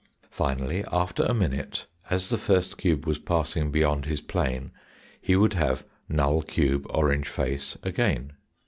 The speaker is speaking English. Finally, after a minute, as the first cube was passing beyond his plane he would have null cube orange face again.